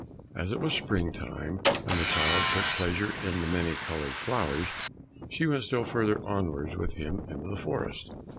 As it was spring time, and the child took pleasure in the many coloured flowers, she went still further onwards with him into the forest.